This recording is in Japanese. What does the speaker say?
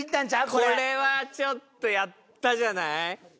これこれはちょっとやったじゃない？